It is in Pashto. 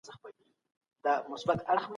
اسلامي ډلي هم د روزنې له پړاو تېري نه سوې.